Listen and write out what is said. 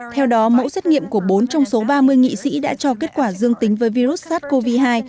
theo đó mẫu xét nghiệm của bốn trong số ba mươi nghị sĩ đã cho kết quả dương tính với virus sars cov hai